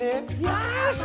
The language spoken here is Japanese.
よし！